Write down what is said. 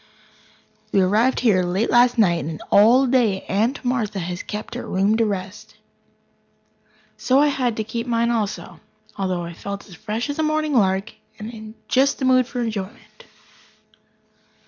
We arrived here late last night, and all day Aunt Martha has kept her room to rest. So I had to keep mine also, although I felt as fresh as a morning lark, and just in the mood for enjoyment.